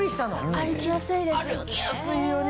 歩きやすいですよね。